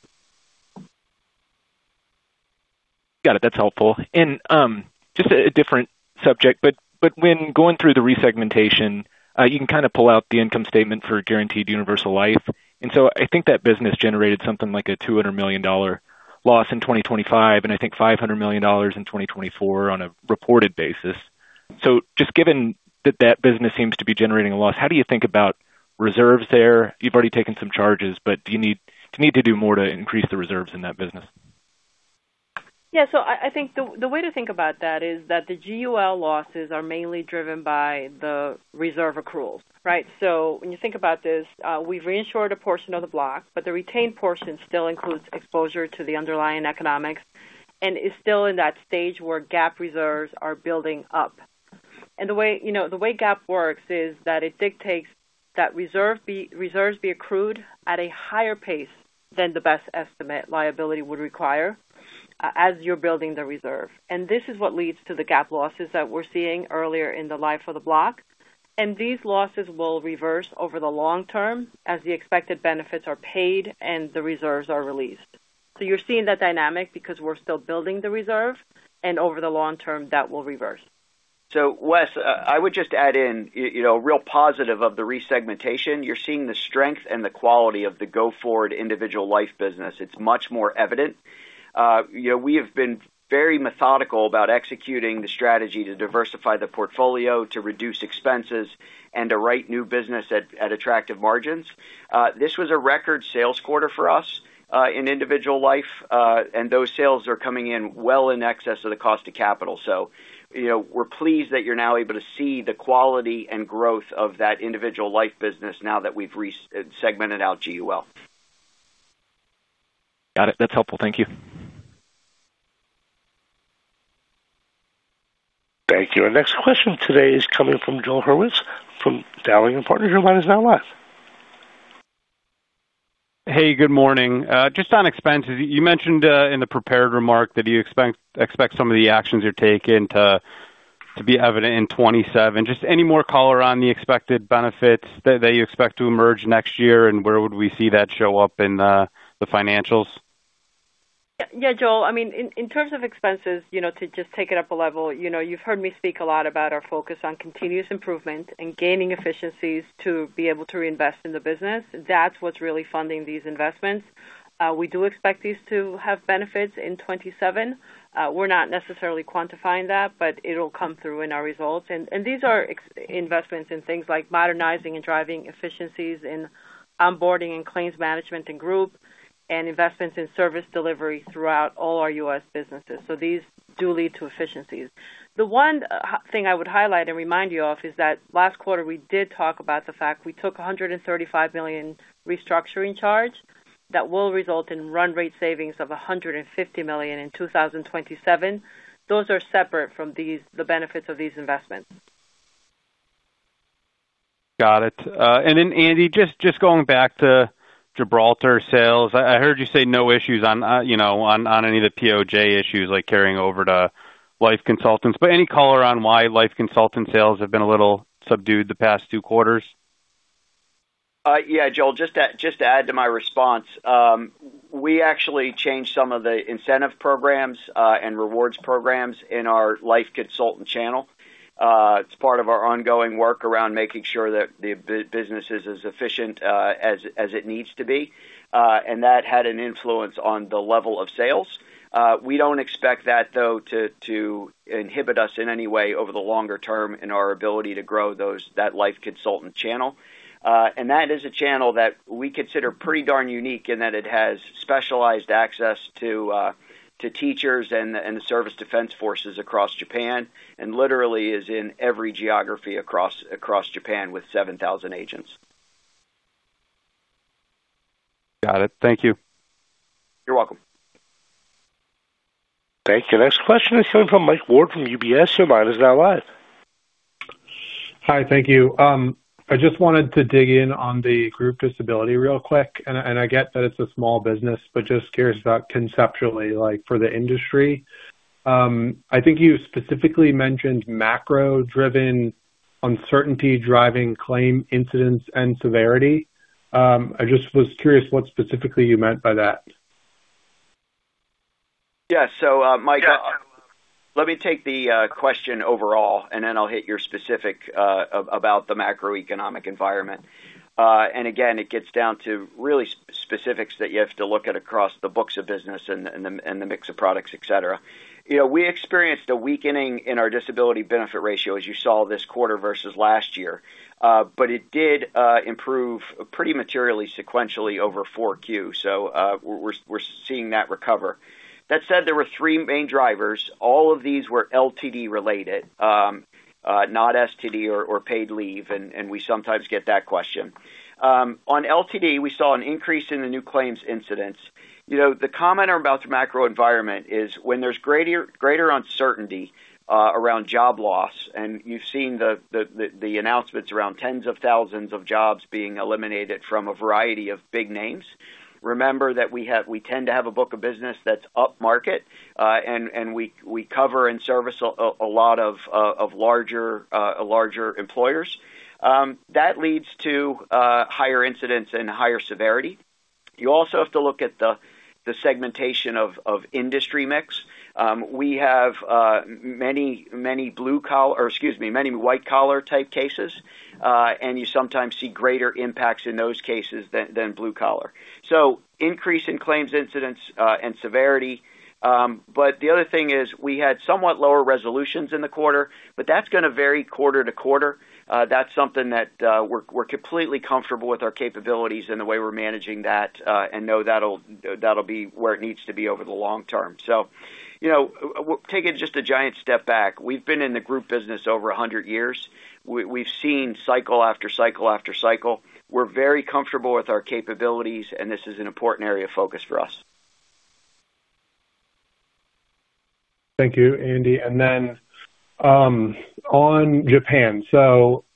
H: Got it. That's helpful. Just a different subject, but when going through the resegmentation, you can kind of pull out the income statement for Guaranteed Universal Life. I think that business generated something like a $200 million loss in 2025, and I think $500 million in 2024 on a reported basis. Just given that that business seems to be generating a loss, how do you think about reserves there? You've already taken some charges, but do you need to do more to increase the reserves in that business?
D: I think the way to think about that is that the GUL losses are mainly driven by the reserve accruals, right? When you think about this, we've reinsured a portion of the block, but the retained portion still includes exposure to the underlying economics and is still in that stage where GAAP reserves are building up. The way, you know, the way GAAP works is that it dictates that reserves be accrued at a higher pace than the best estimate liability would require as you're building the reserve. This is what leads to the GAAP losses that we're seeing earlier in the life of the block. These losses will reverse over the long term as the expected benefits are paid and the reserves are released. You're seeing that dynamic because we're still building the reserve, and over the long term, that will reverse.
C: Wes, I would just add in, you know, real positive of the resegmentation, you're seeing the strength and the quality of the go-forward individual life business. It's much more evident. You know, we have been very methodical about executing the strategy to diversify the portfolio, to reduce expenses, and to write new business at attractive margins. This was a record sales quarter for us in individual life. Those sales are coming in well in excess of the cost of capital. You know, we're pleased that you're now able to see the quality and growth of that individual life business now that we've segmented out GUL.
H: Got it. That's helpful. Thank you.
A: Thank you. Our next question today is coming from Joel Hurwitz from Dowling & Partners. Your line is now live.
I: Good morning. Just on expenses, you mentioned in the prepared remark that you expect some of the actions you're taking to be evident in 2027. Any more color on the expected benefits that you expect to emerge next year, and where would we see that show up in the financials?
D: Yeah, Joel. I mean, in terms of expenses, you know, to just take it up a level, you know, you've heard me speak a lot about our focus on continuous improvement and gaining efficiencies to be able to reinvest in the business. That's what's really funding these investments. We do expect these to have benefits in 27. We're not necessarily quantifying that, but it'll come through in our results. These are investments in things like modernizing and driving efficiencies in onboarding and claims management and group, and investments in service delivery throughout all our U.S. businesses. These do lead to efficiencies. The one thing I would highlight and remind you of is that last quarter we did talk about the fact we took a $135 million restructuring charge that will result in run rate savings of $150 million in 2027. Those are separate from these, the benefits of these investments.
I: Got it. Then Andy, just going back to Gibraltar sales. I heard you say no issues on any of the POJ issues like carrying over to life consultants. Any color on why life consultant sales have been a little subdued the past two quarters?
C: Yeah, Joel, just to add to my response, we actually changed some of the incentive programs and rewards programs in our life consultant channel. It's part of our ongoing work around making sure that the business is as efficient as it needs to be, and that had an influence on the level of sales. We don't expect that though to inhibit us in any way over the longer term in our ability to grow that life consultant channel. That is a channel that we consider pretty darn unique in that it has specialized access to teachers and the Service Defense Forces across Japan, and literally is in every geography across Japan with 7,000 agents.
I: Got it. Thank you.
C: You're welcome.
A: Thank you. Next question is coming from Mike Ward from UBS. Your line is now live.
J: Hi, thank you. I just wanted to dig in on the group disability real quick. I get that it's a small business, but just curious about conceptually, like for the industry. I think you specifically mentioned macro-driven uncertainty driving claim incidents and severity. I just was curious what specifically you meant by that.
C: Yeah. Mike, let me take the question overall, and then I'll hit your specific about the macroeconomic environment. Again, it gets down to really specifics that you have to look at across the books of business and the mix of products, et cetera. You know, we experienced a weakening in our disability benefit ratio, as you saw this quarter versus last year. It did improve pretty materially sequentially over 4Q. We're seeing that recover. That said, there were three main drivers. All of these were LTD related, not STD or paid leave, and we sometimes get that question. On LTD, we saw an increase in the new claims incidents. You know, the comment about the macro environment is when there's greater uncertainty around job loss, and you've seen the announcements around tens of thousands of jobs being eliminated from a variety of big names. Remember that we tend to have a book of business that's upmarket, and we cover and service a lot of larger employers. That leads to higher incidents and higher severity. You also have to look at the segmentation of industry mix. We have many blue collar, or excuse me, many white collar type cases. You sometimes see greater impacts in those cases than blue collar. Increase in claims incidents and severity. The other thing is we had somewhat lower resolutions in the quarter, but that's gonna vary quarter-to-quarter. That's something that we're completely comfortable with our capabilities and the way we're managing that, and know that'll be where it needs to be over the long term. You know, we'll take it just a giant step back. We've been in the group business over 100 years. We've seen cycle after cycle after cycle. We're very comfortable with our capabilities, and this is an important area of focus for us.
J: Thank you, Andy. On Japan.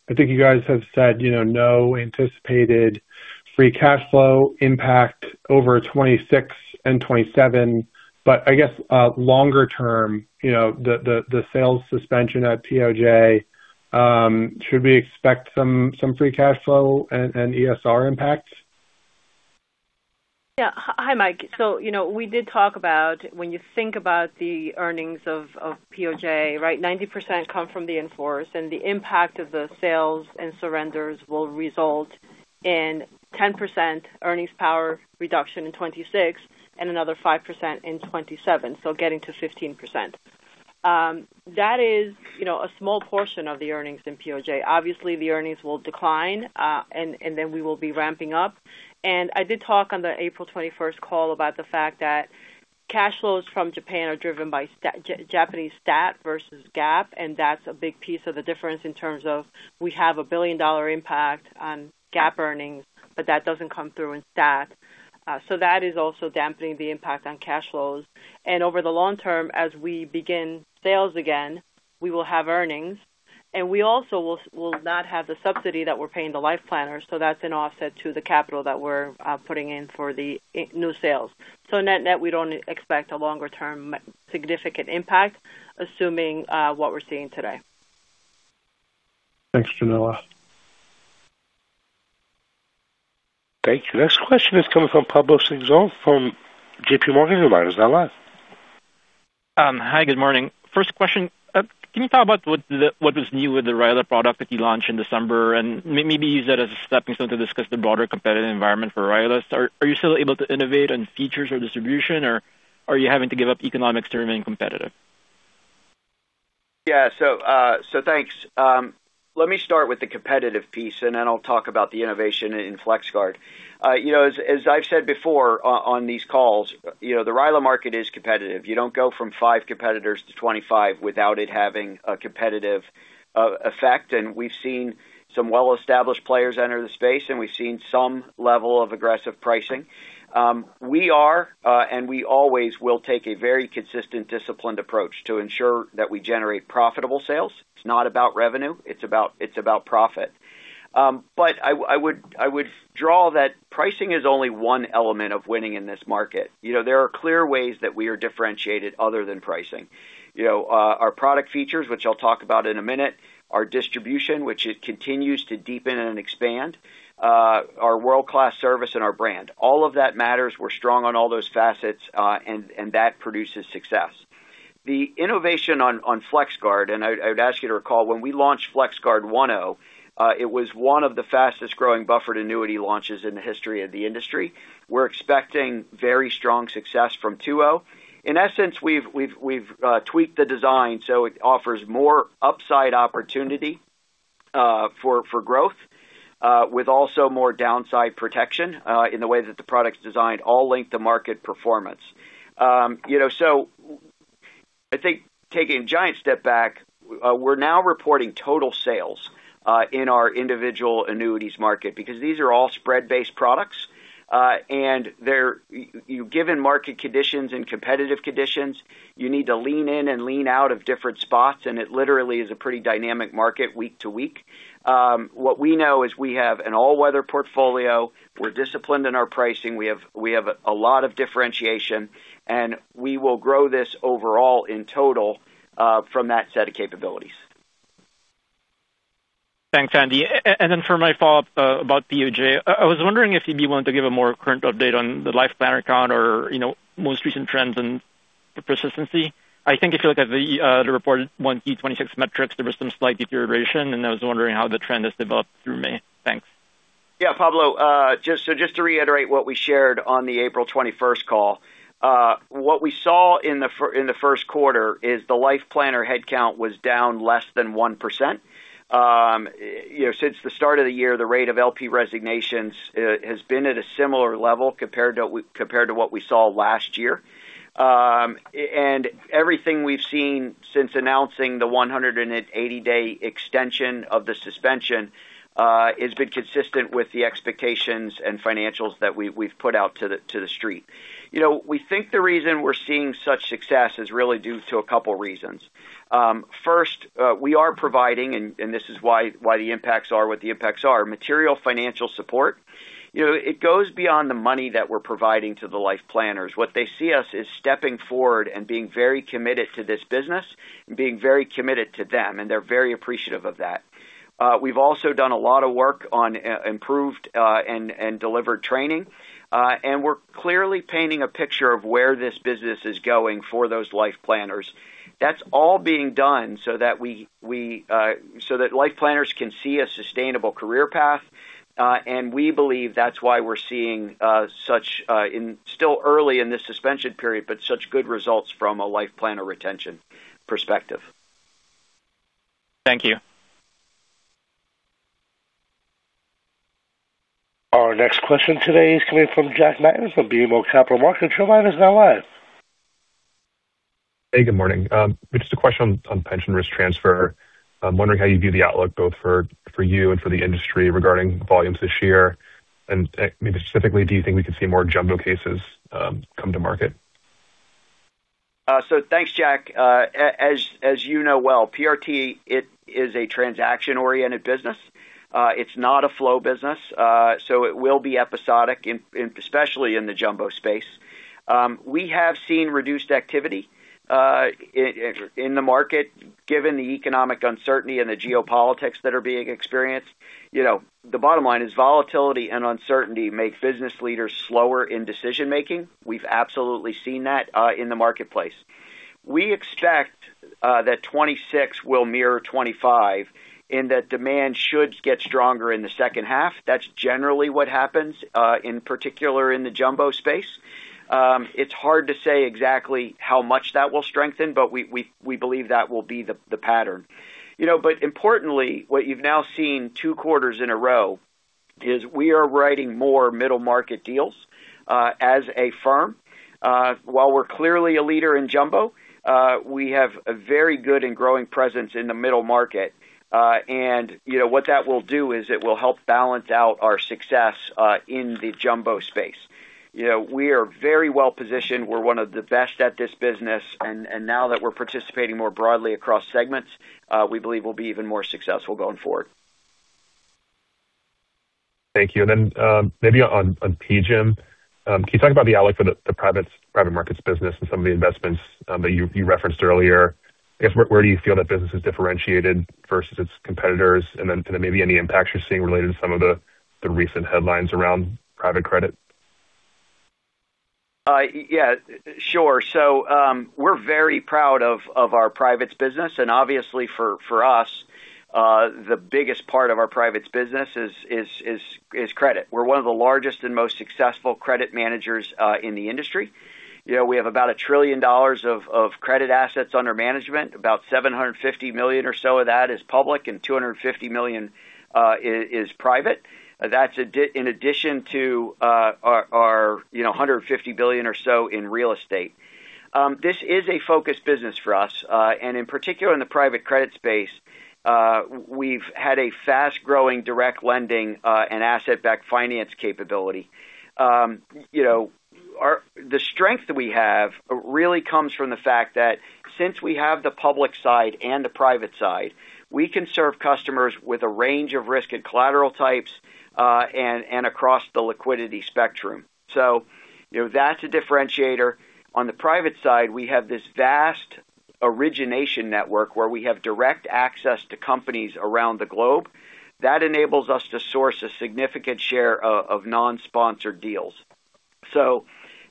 J: I think you guys have said, you know, no anticipated free cash flow impact over 2026 and 2027, but I guess, longer term, you know, the, the sales suspension at POJ, should we expect some free cash flow and ESR impacts?
D: Hi, Mike. You know, we did talk about when you think about the earnings of POJ, right, 90% come from the in-force, and the impact of the sales and surrenders will result in 10% earnings power reduction in 2026 and another 5% in 2027, so getting to 15%. That is, you know, a small portion of the earnings in POJ. Obviously, the earnings will decline, and then we will be ramping up. I did talk on the April 21 call about the fact that cash flows from Japan are driven by Japanese STAT versus GAAP, and that's a big piece of the difference in terms of we have a $1 billion impact on GAAP earnings, but that doesn't come through in STAT. That is also dampening the impact on cash flows. Over the long term, as we begin sales again, we will have earnings, we also will not have the subsidy that we're paying the life planners, so that's an offset to the capital that we're putting in for the new sales. Net-net, we don't expect a longer term significant impact, assuming what we're seeing today.
J: Thanks, Yanela.
A: Thank you. Next question is coming from Pablo Singzon from JPMorgan, the wire is now live.
K: Hi, good morning. First question, can you talk about what is new with the RILA product that you launched in December, and maybe use that as a stepping stone to discuss the broader competitive environment for RILAs? Are you still able to innovate on features or distribution or are you having to give up economics to remain competitive?
C: Thanks. Let me start with the competitive piece. I'll talk about the innovation in FlexGuard. You know, as I've said before on these calls, you know, the RILA market is competitive. You don't go from five competitors to 25 without it having a competitive effect. We've seen some well-established players enter the space. We've seen some level of aggressive pricing. We always will take a very consistent, disciplined approach to ensure that we generate profitable sales. It's not about revenue, it's about profit. I would draw that pricing is only one element of winning in this market. You know, there are clear ways that we are differentiated other than pricing. You know, our product features, which I'll talk about in a minute, our distribution, which it continues to deepen and expand, our world-class service and our brand. All of that matters. We're strong on all those facets, and that produces success. The innovation on FlexGuard, and I would ask you to recall when we launched FlexGuard 1.0, it was one of the fastest-growing buffered annuity launches in the history of the industry. We're expecting very strong success from 2.0. In essence, we've tweaked the design so it offers more upside opportunity for growth with also more downside protection in the way that the product's designed, all linked to market performance. You know, I think taking a giant step back, we're now reporting total sales in our individual annuities market because these are all spread-based products. They're given market conditions and competitive conditions, you need to lean in and lean out of different spots, and it literally is a pretty dynamic market week to week. What we know is we have an all-weather portfolio, we're disciplined in our pricing, we have a lot of differentiation, and we will grow this overall in total from that set of capabilities.
K: Thanks, Andy. For my follow-up about POJ, I was wondering if you'd be willing to give a more current update on the Life Planner count or, you know, most recent trends in persistency. I think if you look at the reported one E-twenty-six metrics, there was some slight deterioration, and I was wondering how the trend has developed through May. Thanks.
C: Yeah, Pablo. Just to reiterate what we shared on the April 21 call. What we saw in the first quarter is the Life Planner headcount was down less than 1%. You know, since the start of the year, the rate of LP resignations has been at a similar level compared to what we saw last year. And everything we've seen since announcing the 180-day extension of the suspension has been consistent with the expectations and financials that we've put out to the street. You know, we think the reason we're seeing such success is really due to a couple reasons. First, we are providing, and this is why the impacts are what the impacts are, material financial support. You know, it goes beyond the money that we're providing to the Life Planners. What they see us is stepping forward and being very committed to this business and being very committed to them, and they're very appreciative of that. We've also done a lot of work on improved and delivered training, and we're clearly painting a picture of where this business is going for those Life Planners. That's all being done so that we, so that Life Planners can see a sustainable career path. And we believe that's why we're seeing such in still early in this suspension period, but such good results from a Life Planner retention perspective.
K: Thank you.
A: Our next question today is coming from Jack Matten from BMO Capital Markets. Your line is now live.
L: Good morning. Just a question on pension risk transfer. I'm wondering how you view the outlook both for you and for the industry regarding volumes this year. Maybe specifically, do you think we could see more jumbo cases come to market?
C: Thanks, Jack. As you know well, PRT it is a transaction-oriented business. It's not a flow business, it will be episodic especially in the jumbo space. We have seen reduced activity in the market given the economic uncertainty and the geopolitics that are being experienced. You know, the bottom line is volatility and uncertainty make business leaders slower in decision making. We've absolutely seen that in the marketplace. We expect that 2026 will mirror 2025 and that demand should get stronger in the second half. That's generally what happens in particular in the jumbo space. It's hard to say exactly how much that will strengthen, we believe that will be the pattern. You know, importantly, what you've now seen two quarters in a row is we are writing more middle market deals as a firm. While we're clearly a leader in jumbo, we have a very good and growing presence in the middle market. You know, what that will do is it will help balance out our success in the jumbo space. You know, we are very well-positioned. We're 1 of the best at this business. Now that we're participating more broadly across segments, we believe we'll be even more successful going forward.
L: Thank you. Then on PGIM, can you talk about the outlook for the private markets business and some of the investments that you referenced earlier? I guess where do you feel that business is differentiated versus its competitors? Then kind of maybe any impacts you're seeing related to some of the recent headlines around private credit.
C: We're very proud of our privates business. Obviously for us, the biggest part of our privates business is credit. We're one of the largest and most successful credit managers in the industry. You know, we have about $1 trillion of credit assets under management. About $750 million or so of that is public, and $250 million is private. That's in addition to our, you know, $150 billion or so in real estate. This is a focused business for us. In particular in the private credit space, we've had a fast-growing direct lending and asset-backed finance capability. You know, the strength that we have really comes from the fact that since we have the public side and the private side, we can serve customers with a range of risk and collateral types, and across the liquidity spectrum. You know, that's a differentiator. On the private side, we have this vast origination network where we have direct access to companies around the globe. That enables us to source a significant share of non-sponsored deals.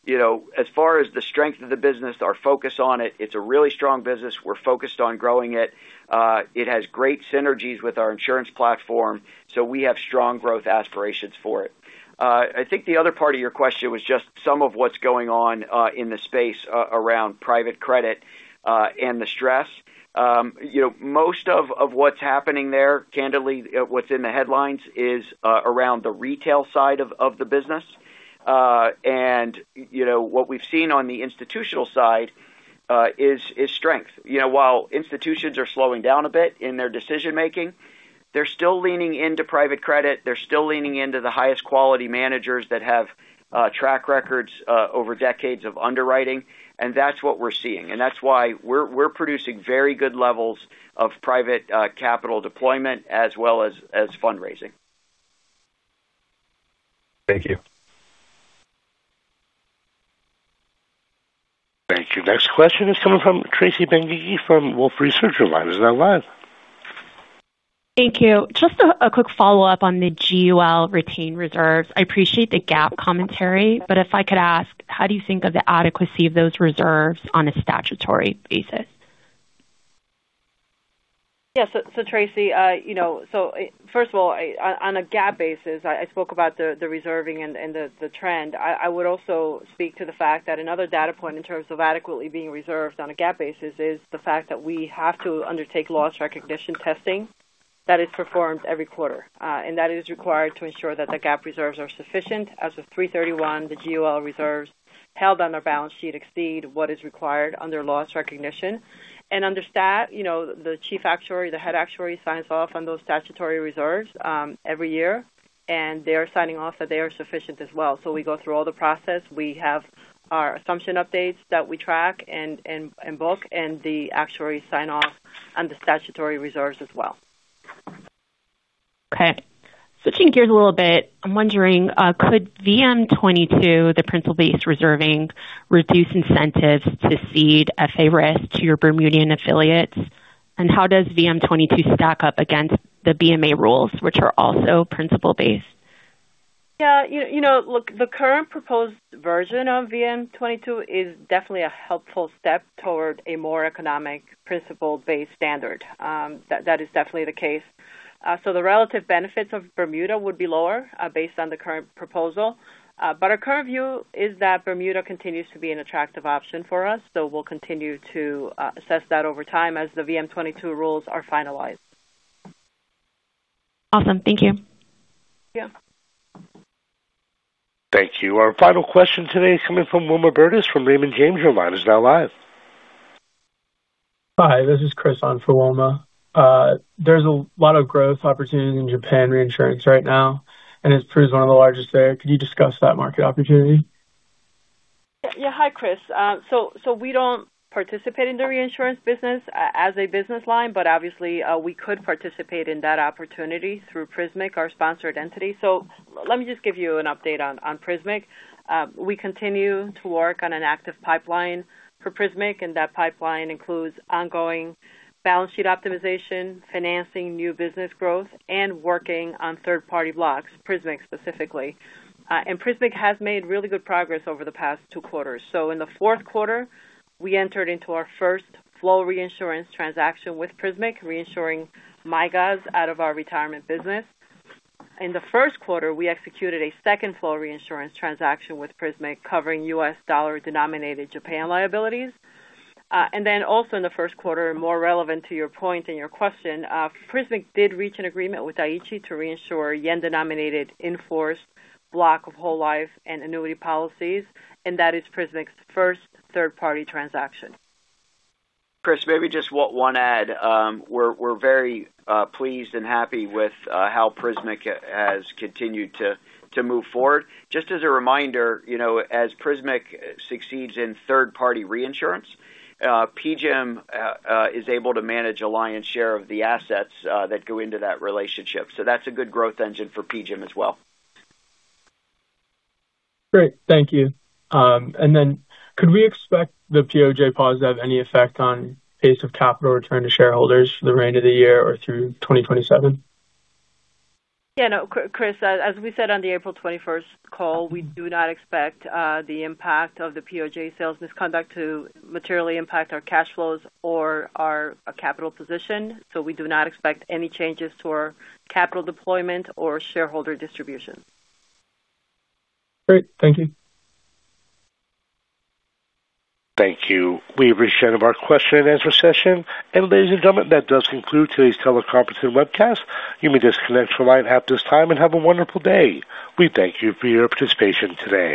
C: You know, as far as the strength of the business, our focus on it's a really strong business. We're focused on growing it. It has great synergies with our insurance platform, so we have strong growth aspirations for it. I think the other part of your question was just some of what's going on, in the space around private credit, and the stress. You know, most of what's happening there, candidly, what's in the headlines is around the retail side of the business. You know, what we've seen on the institutional side is strength. You know, while institutions are slowing down a bit in their decision-making, they're still leaning into private credit. They're still leaning into the highest quality managers that have track records over decades of underwriting. That's what we're seeing. That's why we're producing very good levels of private capital deployment as well as fundraising.
L: Thank you.
A: Thank you. Next question is coming from Tracy Benguigui from Wolfe Research. Your line is now live.
M: Thank you. Just a quick follow-up on the GUL retained reserves. I appreciate the GAAP commentary, but if I could ask, how do you think of the adequacy of those reserves on a statutory basis?
D: Yes. Tracy, you know, first of all, on a GAAP basis, I spoke about the reserving and the trend. I would also speak to the fact that another data point in terms of adequately being reserved on a GAAP basis is the fact that we have to undertake loss recognition testing that is performed every quarter. That is required to ensure that the GAAP reserves are sufficient. As of 3/31, the GUL reserves held on our balance sheet exceed what is required under loss recognition. Under STAT, you know, the chief actuary, the head actuary signs off on those statutory reserves every year, and they are signing off that they are sufficient as well. We go through all the process. We have our assumption updates that we track and book, and the actuaries sign off on the statutory reserves as well.
M: Okay. Switching gears a little bit, I'm wondering, could VM-22, the principle-based reserving, reduce incentives to cede FA risk to your Bermudian affiliates? How does VM-22 stack up against the BMA rules, which are also principle-based?
D: You know, look, the current proposed version of VM-22 is definitely a helpful step toward a more economic principle-based standard. That is definitely the case. The relative benefits of Bermuda would be lower, based on the current proposal. Our current view is that Bermuda continues to be an attractive option for us, we'll continue to assess that over time as the VM-22 rules are finalized.
M: Awesome. Thank you.
D: Yeah.
A: Thank you. Our final question today is coming from Wilma Burdis from Raymond James. Your line is now live.
N: Hi, this is Chris on for Wilma. There's a lot of growth opportunity in Japan reinsurance right now, and as Prud is one of the largest there, could you discuss that market opportunity?
D: Hi, Chris. We don't participate in the reinsurance business as a business line, but obviously, we could participate in that opportunity through Prismic, our sponsored entity. Let me just give you an update on Prismic. We continue to work on an active pipeline for Prismic, and that pipeline includes ongoing balance sheet optimization, financing new business growth, and working on third-party blocks, Prismic specifically. Prismic has made really good progress over the past two quarters. In the fourth quarter, we entered into our first flow reinsurance transaction with Prismic, reinsuring MYGAs out of our retirement business. In the first quarter, we executed a second flow reinsurance transaction with Prismic covering U.S. dollar-denominated Japan liabilities. Also in the first quarter, more relevant to your point and your question, Prismic did reach an agreement with Daiichi to reinsure JPY-denominated in-force block of whole life and annuity policies, and that is Prismic's first third-party transaction.
C: Chris, maybe just one add. We're very pleased and happy with how Prismic has continued to move forward. Just as a reminder, you know, as Prismic succeeds in third-party reinsurance, PGIM is able to manage a lion's share of the assets that go into that relationship. That's a good growth engine for PGIM as well.
N: Great. Thank you. Could we expect the POJ pause to have any effect on pace of capital return to shareholders for the remainder of the year or through 2027?
D: Yeah, no. Chris, as we said on the April 21 call, we do not expect the impact of the POJ sales misconduct to materially impact our cash flows or our capital position. We do not expect any changes to our capital deployment or shareholder distribution.
N: Great. Thank you.
A: Thank you. We've reached the end of our question-and-answer session. Ladies and gentlemen, that does conclude today's teleconference and webcast. You may disconnect your line at this time, and have a wonderful day. We thank you for your participation today.